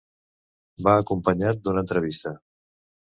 Va acompanyat d’una entrevista.